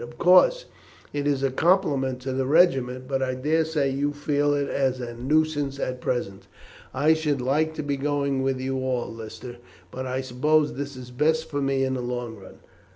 "Of course, it is a compliment to the regiment, but I daresay you feel it as a nuisance at present." "I should like to be going with you all, Lister; but I suppose this is best for me in the long run."